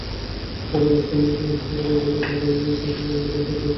গতকাল সোমবার এ-সংক্রান্ত হাইকোর্টের রায় বাতিল করে দিয়েছেন সুপ্রিম কোর্টের আপিল বিভাগ।